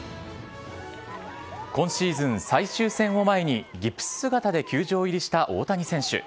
今シーズン最終戦を前に、ギプス姿で球場入りした大谷選手。